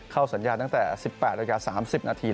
เข้าสัญญาณตั้งแต่๑๘นาที๓๐นาที